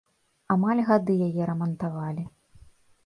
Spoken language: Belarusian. Амаль гады яе рамантавалі.